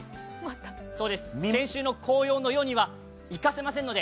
そうです、先週の紅葉のようにはいかせませんので。